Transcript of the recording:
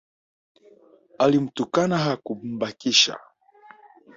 Alimtukana hakumbakisha